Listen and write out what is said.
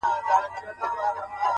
هغه نجلۍ مي اوس پوښتنه هر ساعت کوي,